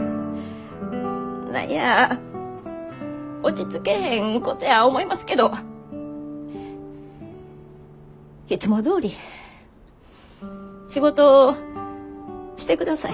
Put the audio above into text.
何や落ち着けへんことや思いますけどいつもどおり仕事してください。